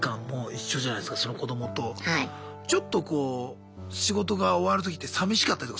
ちょっとこう仕事が終わる時ってさみしかったりとかするんすか？